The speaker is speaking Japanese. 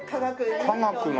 科学の！